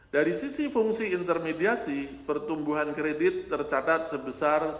dari sisi fungsi intermediasi pertumbuhan kredit tercatat sebesar delapan dua persen